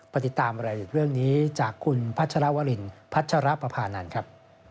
ปฏิตามแรกในเรื่องนี้จากคุณพัชรวรินพัชรปภานานครับ